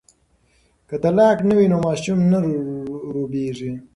که طلاق نه وي نو ماشوم نه روبیږي.